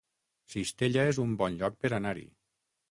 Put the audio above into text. Cistella es un bon lloc per anar-hi